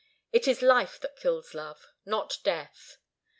It is life that kills love not death.